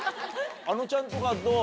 あのちゃんとかどう？